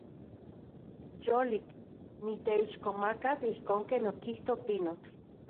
Yolik. Niteixkomakas ijkon ken okijto pinotl.